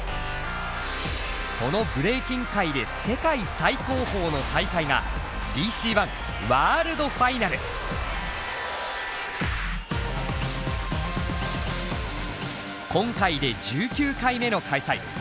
そのブレイキン界で世界最高峰の大会が今回で１９回目の開催。